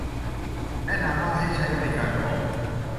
แนะนำว่าให้ใช้บริการของ